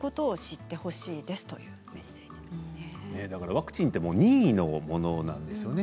ワクチンって任意のものなんですよね。